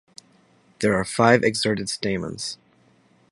There are five exserted stamens.